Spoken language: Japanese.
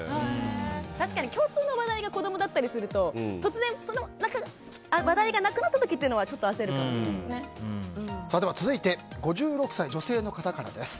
確かに共通の話題が子供だったりすると突然、話題がなくなった時っていうのは続いて５６歳、女性の方からです。